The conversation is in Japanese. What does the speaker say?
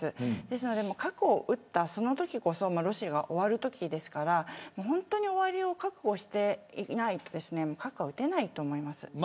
なので、核を撃ったそのときこそロシアが終わるときですから終わりを覚悟していないと核は撃てないと思います。